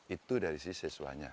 itu dari si siswanya